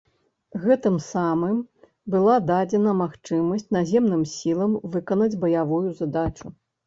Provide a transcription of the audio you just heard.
Гэтым самым была дадзена магчымасць наземным сілам выканаць баявую задачу.